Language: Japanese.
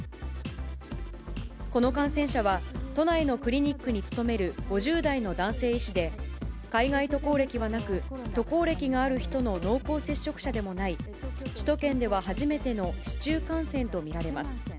この感染者は、都内のクリニックに勤める５０代の男性医師で、海外渡航歴はなく、渡航歴がある人の濃厚接触者でもない、首都圏では初めての市中感染と見られます。